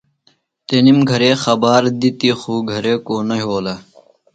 تنِم گہرےۡ خبار دِتیۡ خو گہرےۡ کو نہ یھولہ۔